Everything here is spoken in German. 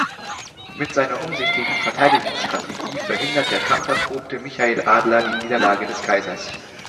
Mit seiner umsichtigen Verteidigungsstrategie verhindert der kampferprobte Michel Adler die Niederlage des Kaisers.